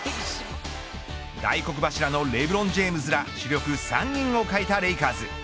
大黒柱のレブロン・ジェームズら主力３人を欠いたレイカーズ